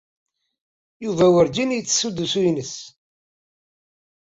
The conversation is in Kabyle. Yuba werjin yettessu-d usu-nnes.